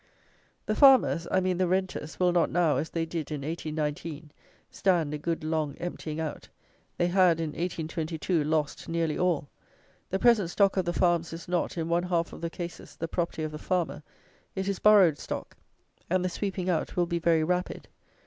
The farmers, I mean the renters, will not now, as they did in 1819, stand a good long emptying out. They had, in 1822, lost nearly all. The present stock of the farms is not, in one half of the cases, the property of the farmer. It is borrowed stock; and the sweeping out will be very rapid.